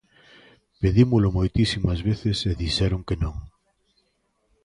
Pedímolo moitísimas veces e dixeron que non.